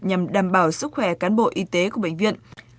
nhằm đảm bảo sức khỏe cán bộ y tế của bệnh viện